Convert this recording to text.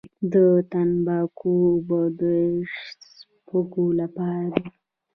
د تنباکو اوبه د سپږو لپاره دي؟